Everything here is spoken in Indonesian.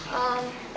kayaknya enak banget